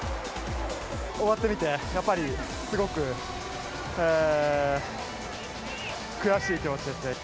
終わってみて、やっぱりすごく悔しい気持ちですね。